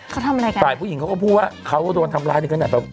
คือทายผู้หญิงก็พูดว่าเขาโดนทำร้ายในขนาดแบบ